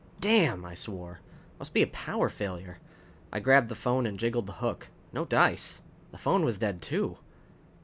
"Damn!" I swore. "Must be a power failure!" I grabbed the phone and jiggled the hook. No dice. The phone was dead, too.